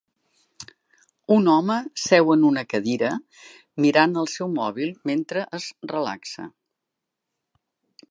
Un home seu en una cadira, mirant el seu mòbil mentre es relaxa.